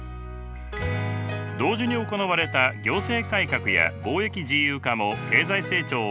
同時に行われた行政改革や貿易自由化も経済成長を後押し。